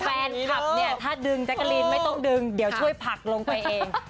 แฟนคลับเนี่ยถ้าดึงแจ๊กกะลีนไม่ต้องดึงเดี๋ยวช่วยผักลงไปเอง